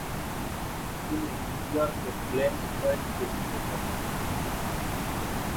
তিনি নিউ ইয়র্কে ব্লেঞ্চ হোয়াইটকে বিয়ে করেন।